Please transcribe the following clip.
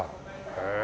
へえ。